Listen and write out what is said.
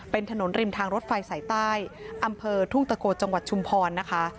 เป็นถนนริมทางรถไฟสายใต้อำเภอทุ่งตะโกจังหวัดชุมพรนะคะ